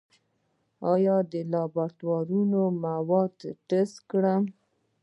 آیا لابراتوارونه د موادو ټسټ کوي؟